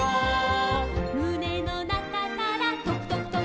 「むねのなかからとくとくとく」